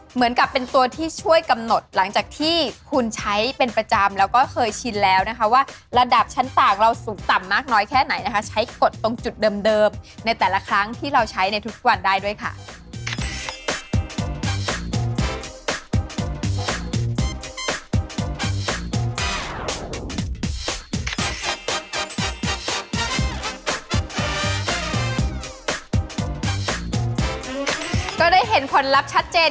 เหมือนกับเป็นตัวที่ช่วยกำหนดหลังจากที่คุณใช้เป็นประจำแล้วก็เคยชินแล้วนะคะว่าระดับชั้นตากเราสูงต่ำมากน้อยแค่ไหนนะคะใช้กฎตรงจุดเดิมในแต่ละครั้งที่เราใช้ในทุกวันได้ด้วยค่ะ